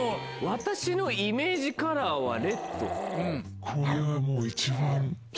「私のイメージカラーはレッド」。